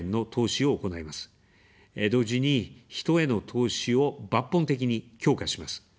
同時に、人への投資を抜本的に強化します。